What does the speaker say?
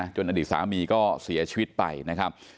อดีตสามีก็เสียชีวิตไปนะครับ